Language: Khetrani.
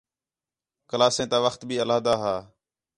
کلاسیں تا وخت بھی علیحدہ ہا